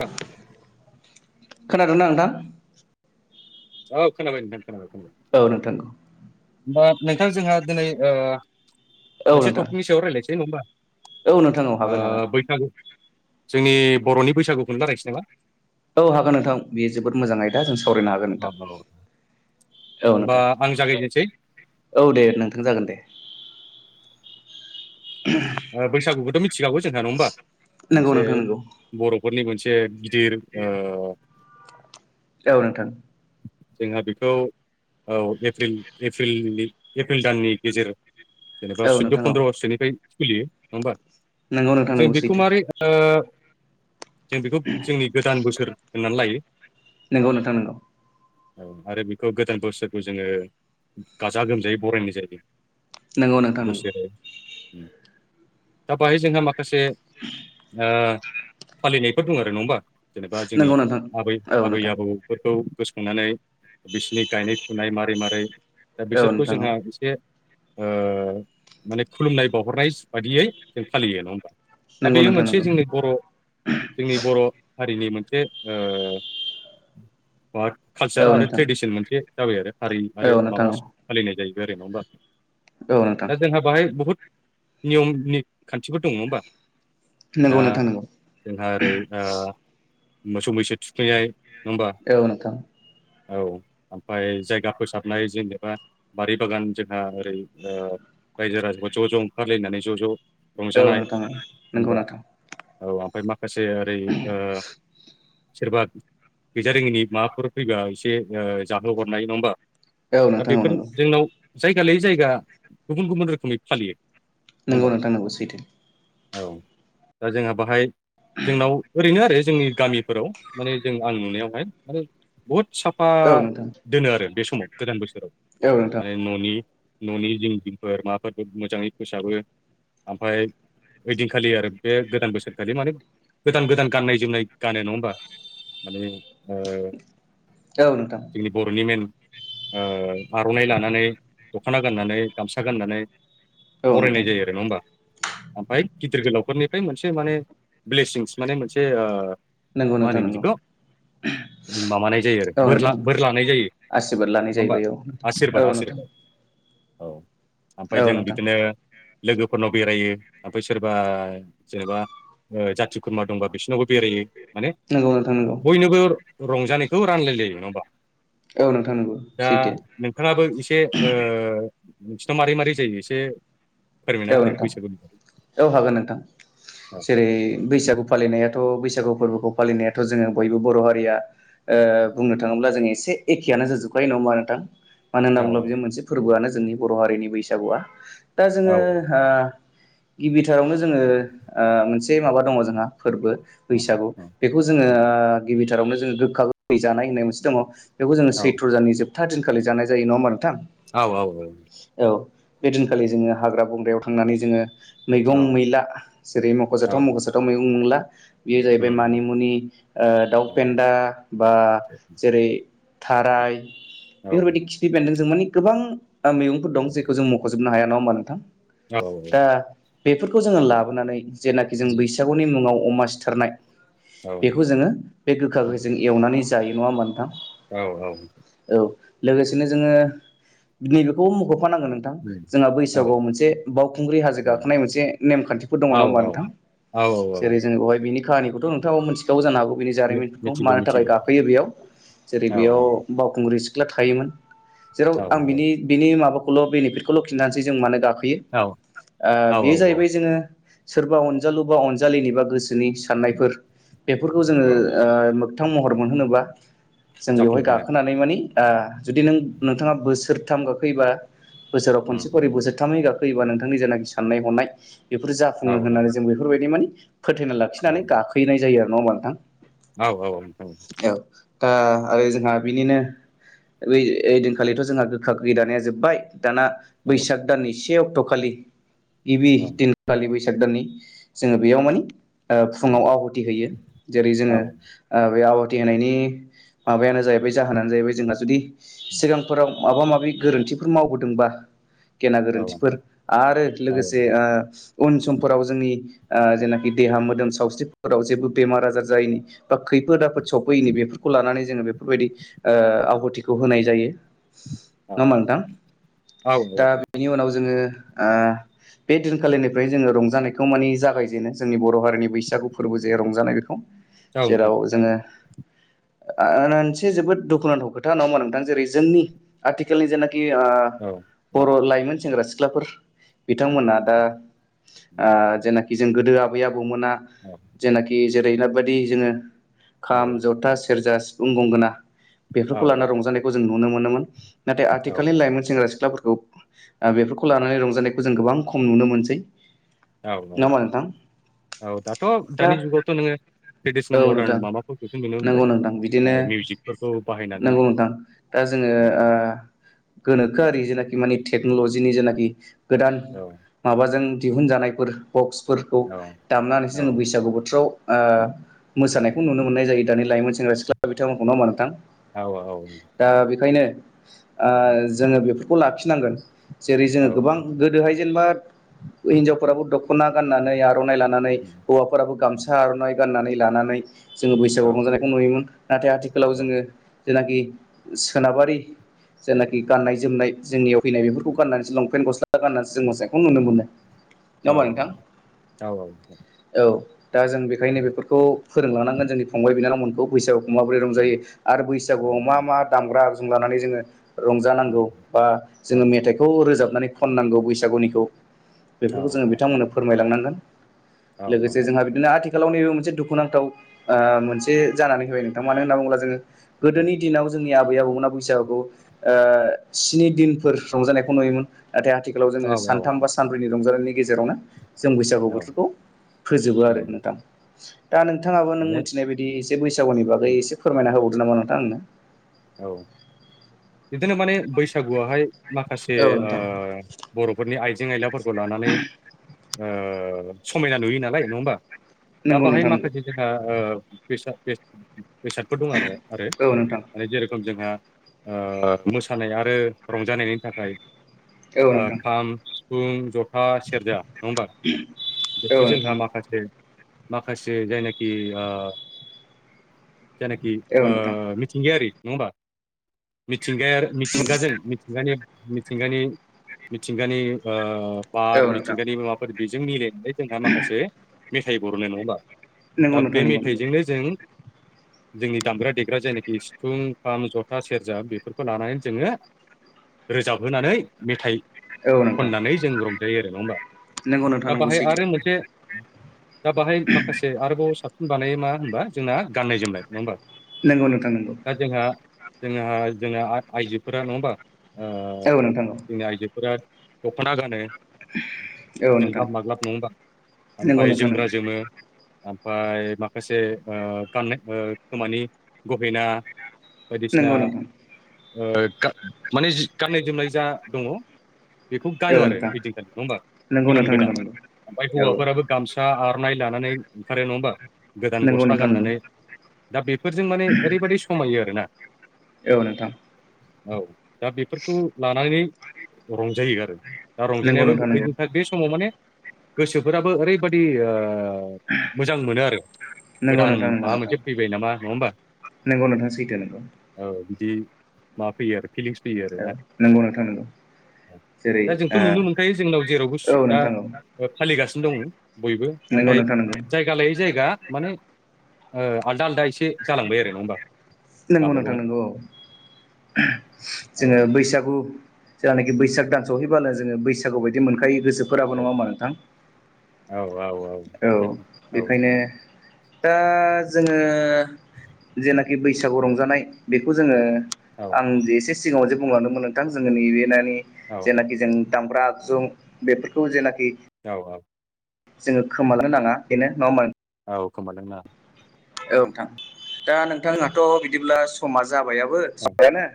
औ खोनादोंना नोंथां? औ खोनाबाय नोंथां खोनाबाय खोनाबाय औ नोंथां औ बा नोंथां जोंहा दिनै ओ औ मोनसे नोंथां टपिकनि सायाव रायजलायनोसै नङा औ नोंथां औ होमबा हागोन हागोन ओ बैसागु जोंनि बर'नि बैसागुखौनो जागायनिसै नामा औ हागोन नोंथां बियो जोबोद मोजां आयदा जों सावरायनो हागोन नोंथां नामा औ औ। औ होमबा नोंथां आं जागायजेनसै औ दे नोंथां जागोन दे ओ बैसागुखौथ' मिथिखागौ जोंहा नङा होमबा नंगौ मोनसे नोंथां नंगौ बर'फोरनि मोनसे दिर ओ औ नोंथां जोंहा बेखौ औ एप्रिल एप्रिलनि एप्रिल दाननि गेजेर जेनेबा औ सुद्ध' नोंथां औ पनद्रसोनिफ्राय सोलियो नङा होमबा नंगौ नोंथां जों नंगौ बेखौ सैथो मारै ओ जों बेखौ जोंनि गोदान बोसोर होननानै लायो नंगौ नोंथां नंगौ औ आरो बेखौ गोदान बोसोरखौ जोङो गाजा-गोमजायै बरायनाय जायो नोंगौ नोंथां नोंगौ बोसोर दा बाहाय जोंहा माखासे ओ फालिनायफोर बुङो आरो नङाओमबा जेनेबा जोंनि नंगौ नंगौ नोंथां आबै औ आबै नोंथां आबौ खौ गोसोखांनानै बिसिनि गायनाय फुनाय मारै मारै दा औ बिसोरखौ नोंथां औ जोंहा इसे ओ माने खुलुमनाय बावहरनाय बादियै जों फालियो नङा होमबा दा नंगौ बेयो नोंथां मोनसे नंगौ जोंनि बर' जोंनि बर' हारिनि मोनसे ओ मा कालसार औ आरो नोंथां ट्रेडिसन मोनसे जाबाय आरो हारि आरो औ माबा नोंथां फालिनाय जाहैबाय आरो नङा होमबा औ नोंथां दा जोंहा बाहाय बुहुद नियमनि खानथिफोर दङ' होमबा दा नंगौ नोंथां नंगौ जोंहा ओरै ओ मोसौ-मैसो थुखैनाय होमबा औ नोंथां औ ओमफ्राय जायगा फोसाबनाय जेनेबा बारि बागान जोंहा ओरै रायजो राजाखौ ज' ज' ओंखारलायनानै ज' ज' औ रंजानाय नोंथां नंगौ होबा नोंथां औ आफाय माखासे ओरै ओसोरबा गैजा रोङिनि माबाफोर फैबा एसे जाहो हरनाय नङा होमबा औ दा नोंथां औ बेफोर नंगौ जोंनाव जायगा लायै जायगा गुबुन गुबुन रोखोमै फालियो नङा नोंगौ होमबा नोंथां नोंगौ सैथो औ दा जोंहा बाहाय जोंनाव ओरैनो आरो जोंनि गामिफोराव माने जों आं नुनायावहाय माने बहुद साफा औ नोंथां दोनो आरो बे समाव गोदान बोसोराव औ नोंथां माने न'नि न'नि जिं जिंफोर माबाफोरफोरखौ मोजाङै फोसाबो ओमफ्राय ओइदिनखालि आरो बे गोदान बोसोरखालि माने गोदान गोदान गाननाय-जोमनाय गानो नङा होमबा माने ओ औ नोंथां जोंनि बर'नि मेन ओ आर'नाइ लानानै दख'ना गाननानै गामसा गाननानै औ नोंथां बरायनाय जायो आरो नङा होमबा ओमफाय गिदिर गोलावफोरनिफ्राय मोनसे माने ब्लेसिंस माने मोनसे ओ नंगौ नोंथां बे नोंगौ खौ माबानाय जायो आरो औ नोंथां बोरला बोरलानाय जायो आसिरबाद लानाय नङा होमबा जाहैबाय औ आसिरबाद औ नोंथां आसिरबाद औ ओमफ्राय औ जों नोंथां बिदिनो लोगोफोरनाव बेरायो ओमफ्राय सोरबा जेनेबा ओ जाथि खुरमा दंबा बिसोरनावबो बेरायो माने नोंगौ नोंथां नंगौ बयनोबो रंजानायखौ रानलायलायो नङा होमबा औ नोंथां नंगौ दा सैथो नोंथाङाबो एसे ओ नोंसिना मारै मारै जायो एसे फोरमायना औ होदो नोंथां बैसागुनि बागै औ हागोन नोंथां जेरै बैसागु फालिनायाथ' बैसागु बैसागु फोरबोखौ फालिनायाथ' जोङो बयबो बर' हारिया बुंनो थाङोब्ला जों एसे एखेयानो जोजोबखायो नङा होनबा नोंथां मानो होनना औ बुङोब्ला बे मोनसे फोरबोयानो जोंनि बर' हारिनि बैसागुया दा औ जोङो गिबिथारावनो जोङो आ मोनसे माबा दङ जोंहा फोरबो बैसागु औ बेखौ जोङो गिबिथारावनो जोङो गोखा गोखै जानाय होननाय मोनसे दङ बेखौ जोङो औ सैथ्र' जाननि जोबथा दिनखालि जानाय जायो नङा होमबा नोंथां औ औ बे दिनखालि जोङो हाग्रा बंग्रायाव थांनानै जोङो मैगं मैला जेरै मख'जाथाव मख'जाथाव मैगं मैला बेयो जाहैबाय उम मानिमुनि ओ दाउ फेनदाबा जेरै थाराय बेफोरबायदि खिफि बेनदों जों मानि गोबां मैगंफोर दं जेखौ जों मख' जोबनो हाया नङा होनबा नोंथां औ दा बेफोरखौ जोङो लाबोनानै जेनाखि जों बैसागुनि मुङाव अमा सिथारनाय बेखौ जोङो बे गोखा गोखैजों एवनानै जायो नङा होनबा नोंथां औ औ औ लोगोसेनो जोङो नैबेखौबो मख'फानांगोन नोंथां जोंहा बैसा औ सागुयाव मोनसे बावखुंग्रि हाजो गाखोनाय मोनसे नेमखानथिफोर दङ नङा होनबा औ नोंथां औ औ औ जेरै जों बेहाय बिनि खाहानिखौथ' नोंथां मोनथिखागौ जानो हागौ बेनि जारिमिनफोरखौ मिथिगौ मानो थाखाय मिथिगौ गाफोयो बेयाव जेरै औ बेयाव बावखुंग्रि सिख्ला थायोमोन जेराव औ आं बिनि बिनि माबाखौल' बेनिफिटखौल' खिनथानोसै जों मानो गाखो यो औ आ औ जाहैबाय जोङो सोरबा अनजालु बा अनजालि बा गोसो नि साननायफोर बेफोरखौ औ जोङो ओ मोगथां महर मोनहोनोबा जों बेवहाय जाफुंहोनो गाखोनानै मानि आं जुदि नों नोंथाङा बोसोरथाम गाखोयोबा बोसोराव उम खनसे उम खेबथामै गाखोयोबा नोंथांनि जेनाखि साननाय हनाय बेफोर जाफुङो औ औ होननानै जों बेफोरबायदि मोन फोथायना औ लाखिनानै गाखोहैनाय जायो आरो नङा होमबा नोंथां औ औ औ औ दा आरो जोंहा बिनिनो बै ओइनखालिथ' जोंहा गोखा गोखै जानाया जोबबाय दाना बैसाग दाननि से अक्ट' खालि गिबि औ दिनखालि साग दाननि जोङो बेयाव मानि ओ फुङाव आवह'थि होयो जेरै जोङो बे आवह थि होनायनि माबायानो जाहैबाय जाहोनानो जाहैबाय जोंहा जुदि सिगांफोराव माबा माबि गोरोनथिफोर मावबोदोंबा गेना गोरोनथिफोर आरो लोगोसे उन समफोराव जोंनि आ जेनाखि देहा मोदोम सावस्रिफोराव जेबो बेमार आजार जायैनि बा खैफोद आफफोद सफैयैनि बेफोरखौ लानानै जोङो बेफोरबायदि ओ आहुथिखौ होनाय जायो औ होमबा नोंथां औ दा बेनि उनाव जोङो आ बे दिनखालिनिफ्राय जोङो रंजानायखौ मानि जागायजेनो जोंनि बर' हारिनि बैसागु फोरबो जे रंजानाय बेखौ नोंथां जेराव जोङो आ मोनसे जोबोद दुखुनांथाव खोथा नङा होमबा नोंथां जेरै जोंनि आथिखालनि जेना खि आ औ औ लाइमोन सेंग्रा सिख्लाफोर बिथांमोना दा उम आ जेनाखि जों गोदो आबै आब बौमोना औ जेनाखि जेरै बादि जोङो खाम औ जथा सेरजा फुं गंगोना औ बेफोरखौ औ लानानानै रंजानायखौ जों नुनो मोनोमोन नाथाय आथिखालनि लाइमोन सेंग्रा सिख्लाफोरखौ बेफोरखौ लानानै रंजानायखौ जों गोबां खम नुनो मोनसै औ औ नङा होमबा नोंथां औ औ दाथ' दा दानि जुगावथ' नोङो ट्रेडिसनेल औ मदार्न नोंथां माबाफोरखौसो नुनो नंगौ नोंथां बिदिनो मोनबाय मिउजिकफोरखौ बाहायनानै नंगौ नोंथां दा जोङो औ ओ गोनोखोआरि मानि टेक्नलजिनि जेनाखि गोदान औ माबाजों दिहुनजानायफोर बक्सफोरखौ औ दामनानैसो औ जोङो बैसागु बोथोराव ओ मोसानायखौ उम नुनो मोननाय जायो। दानि लाइमोन सेंग्रा सिख्ला बिथांमोनखौ नङा होनबा नोंथां औ औ उम दा बेखायनो ओ जोङो बेफोरखौ लाखिनांगोन जेरै जोङो औ गोबां गोदोहाय ज जेनेबा हिनजावफोराबो दख'ना गाननानै आर'नाइ लानानै उम हौवाफोराबो उम गामसा आर'नाइ गाननानै लानानै जोङो औ बैसागु रंजानायखौ नुयोमोन नाथाय आथिखालाव जोङो जेनाखि सोनाबारि जेनाखि गाननाय जोमनाय जोंनियाव फैनाय बेफोरखौ गाननानैसो लंपेन्ट गस्ला गाननानै जों मोसाइखौ नुनो मोनो। होमबा औ नोंथां औ औ औ औ दा जों बेनिखायनो बेफोरखौ फोरोंलांनांगोन जोंनि फंबाय बिनानावमोनखौ बैसागु वाव माबोरै औ रंजायो आरो बैसागुआव मा मा दामग्रा आगजु लानानै जोङो रंजानांगौ बा जोङो मेथाइखौ रोजाबनानै खननांगौ बैसागुनिखौ बेफोरखौ जोङो बिथांमोननो फोरमायलांनांगोन लोगोसे जोंहा बिदिनो आथि आथिखालाव नैबो मोनसे दुखुनांथाव ओ मोनसे जानानै होबाय नोंथां मानो होनना बुङोब्ला जोङो गोदोनि दिनाव जोंनि आबै आबौमोना बैसागखौ ओ स्नि दिनफोर रंजानायखौ नुयोमोन नाथाय आथिखालाव जोङो औ सानथाम बा सानब्रैनि रंजानायनि नि गेजेरावनो जों बैसागु औ बोथोरखौ फोजोबो आरो उम नोंथां दा नोंथाङाबो नों माने मिथिनाय बायदि एसे बैसागुनि बागै उम एसे फोरमायना होबावदो नामा नोंथां आंनो औ बिदिनो माने बैसागुवाहाय माखासे औ ओ नोंथां बर'फोरनि आइजें आयलाफोरखौ लानानै ओ समायना नुयो नालाय नङा होमबा दा नंगौ बाहाय नोंथां नंगौ माखासे जोंहा ओ बेसाद बेसादफोर दं आरो। आरो औ नोंथां जेरोखोम जोंहा ओ मोसानाय आरो रंजानायनि थाखाय औ नोंथां औ नोंथां खाम सिफुं जथा था सेरजा नङा होमबा बेखौ औ जोंहा माखासे माखासे जायनाखि ओ जायनाखि ओ नोंथां मिंथिंगायारि नङा होमबा मिथिंगायारि मिथिंगाजों मिथिंगानि मिथिंगानि मिथिंगानि ओ औ बार नोंथां मिथिंगानि माबाफोर बेजों मिले जोंहा माखासे मेथाइ बर'नो नङा होमबा नंगौ दा नोंथां बे नंगौ नंगौ मेथाइजोंनो जों जोंनि दामग्रा देग्रा जायनाखि सिफुं खाम जथा सेरजा बेफोरखौ लानानै जोङो रोजाबहोनानै मेथाइ औ नोंथां खननानै जों रंजायो आरो नङा होमबा नंगौ नोंथां दा नंगौ बाहाय सैथो आरो मोनसे दा बाहाय माखासे आरोबाव साबसिन बानायो मा होनबा जोंना गाननाय जोमनाय नङा होमबा नोंगौ नोंथां नंगौ दा जोंहा जोंहा जोंना आइजोफोरा नङा होमबा ओ औ नोंथां औ जोंनि आइजोफोरा दख'ना गानो औ नोंथां जोंग्लाब माग्लाब नङा होमबा नंगौ आमफाय नोंथां जोमग्रा नंगौ जोमो आमफाय माखासे गाननाय खोमानि गहेना बायदिसिना नंगौ नोंथां ओ माने गाननाय जोमनाय जा दङ बेखौ औ गानो आरो नोंथां ओइदिनखालि नङा होमबा नंगौ गोदान नोंथां नंगौ गोदान नंगौ ओमफ्राय औ हौवाफोराबो गामसा आरो आर'नाय लानानै ओंखारो नङ होनबा गोदान नंगौ गस्ला नोंथां नंगौ गाननानै दा बेफोरजों माने ओरैबायदि समायो आरोना औ नोंथां औ दा बेफोरखौ लानानै रंजायो आरो दा नंगौ रंजानायाबो नोंथां ओ नंगौ बे समाव माने गोसोफोराबो ओरैबादि ओ ओ मोजां मोनो आरो नंगौ गोदान माबा मोनसे फैबाय नामा नङा होमबा नोंगौ नोंथां सैथो नोंगौ औ बिदि माफैयो आरो फिलिंस फैयो आरो औ ना नंगौ नोंथां नंगौ जेरै दा जोंथ' नुनो मोनखायो जोंनाव जेरावबो ओ औ दा नोंथां औ फालिगासिनो दं बयबो नंगौ नाथाय नोंथां नंगौ जायगा लायै जायगा माने आलदा आलदा एसे जालांबाय आरो नङा होमबा नंगौ नोंथां गावबागाव नंगौ औ जोङो बैसागु जायानखि बैसाग दान सहैब्लानो जोङो बैसागु बायदि मोनखायो गोसोफोराबो औ नङा मा नोंथां औ औ औ औ बेखायनो नोंथां दा जोङो जेनाखि बैसागु रंजानाय बेखौ जोङो औ आंजे एसे सिगाङाव जे बुंलांदोंमोन नोंथां जोङो नैबे ननि औ जेनाखि जों दामग्रा आगजु बेफोरखौ जेनाखि [unintelligible] जोङो खोमालांनो नाङा बेनो नङा होमबा नोंथां औ खोमानो नाङा औ नोंथां दा नोंथांहाथ' बिदिब्ला समा जा जाबायाबो औ जाबायानो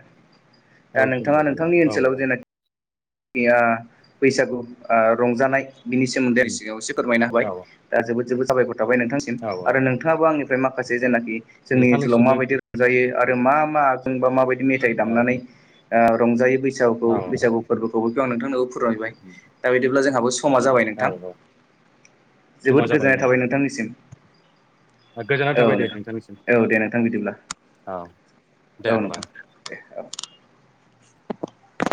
दा औ नोंथाङा सोलिबाय दं नोंथांनि औ ओनसोलाव जेनाखि आ बैसागु ओ रंजानाय बिनि सोमोन्दै सिगाङाव एसे फोरमायनो होबाय औ दा जोबोद जोबोद साबायखर थाबाय नोंथांसिम औ औ आरो नोंथाङाबो आंनि फ्राय माखासे जेनाखि जोंनि ओनसोलाव नोंथांनिसिमबो माबायदि रंजायो आरो औ मा मा आग बा माबायदि मेथाइ औ दामनानै ओ रंजायो बैसागुखौ औ बैसागु फोरबोखौबो बेखौ आं नोंथांखौ फोरमायबाय दा बिदिब्ला जोंहाबो समा जाबाय औ नोंथां औ समा जोबोद गोजोननाय थाबाय नोंथांनिसिम गोजाननाय औ थाबाय दे नोंथां नोंथांनिसिम औ दे नोंथां बिदिब्ला औ दे औ होमबा नोंथां दे [inaudible]